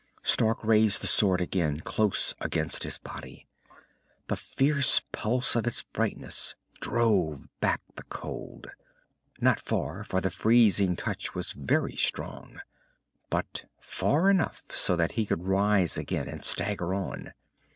Stark raised the sword again, close against his body. The fierce pulse of its brightness drove back the cold. Not far, for the freezing touch was very strong. But far enough so that he could rise again and stagger on.